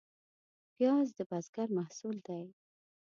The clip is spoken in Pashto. پیاز د بزګر محصول دی